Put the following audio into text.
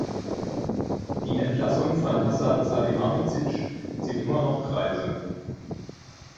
Die Entlassung von Hasan Salihamidzic zieht immer noch Kreise.